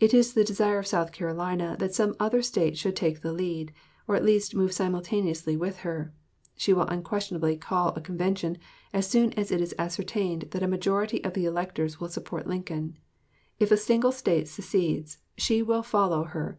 It is the desire of South Carolina that some other State should take the lead, or at least move simultaneously with her. She will unquestionably call a convention as soon as it is ascertained that a majority of the electors will support Lincoln. If a single State secedes, she will follow her.